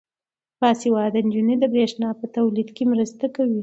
باسواده نجونې د برښنا په تولید کې مرسته کوي.